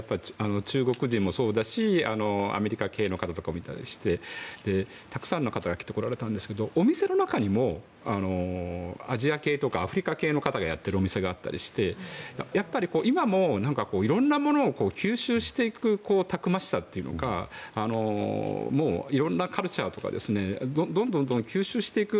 中国人もそうだしアメリカ系の方とかもいたりしてたくさんの方が来られてたんですけどお店の中にもアジア系とかアフリカ系の方がやっているお店があったりしてやっぱり、今もいろんなものを吸収していくたくましさというのがもう、いろんなカルチャーとかをどんどんと吸収していく。